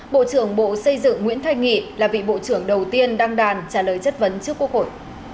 bộ trưởng bộ xây dựng nguyễn thanh nghị là vị bộ trưởng đầu tiên đăng đàn trả lời chất vấn trước quốc hội